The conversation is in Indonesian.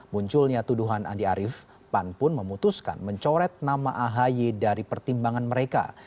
munculnya tuduhan andi arief pan pun memutuskan mencoret nama ahi dari pertimbangan mereka